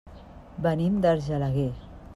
Venim d'Argelaguer.